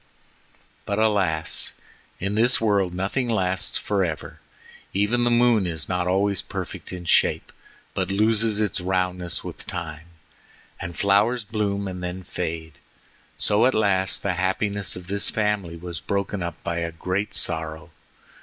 But, alas! in this world nothing lasts forever. Even the moon is not always perfect in shape, but loses its roundness with time, and flowers bloom and then fade. So at last the happiness of this family was broken up by a great sorrow.